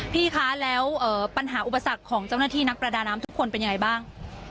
พี่คะแล้วปัญหาอุปสรรคของเจ้าหน้าที่นักประดาน้ำทุกคนเป็นยังไงบ้าง